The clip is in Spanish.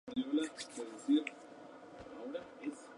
Brasil ocupa el tercer lugar.